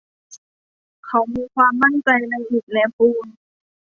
เขามีความมั่นใจในอิฐและปูน